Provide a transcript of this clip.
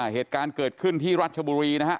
เหตุการณ์เกิดขึ้นที่รัชบุรีนะฮะ